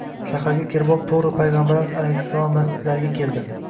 Shaharga kiriboq, to‘g‘ri Payg‘ambarimiz alayhissalom masjidlariga keldi